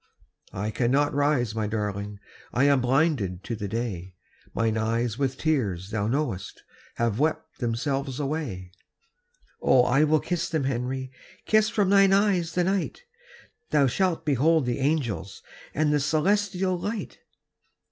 "I cannot rise, my darling, I am blinded to the day. Mine eyes with tears, thou knowest, Have wept themselves away." "Oh, I will kiss them, Henry, Kiss from thine eyes the night. Thou shalt behold the angels And the celestial light."